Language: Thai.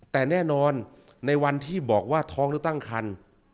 แต่แน่นอนในวันที่บอกว่าท้องหรือตั้งคัน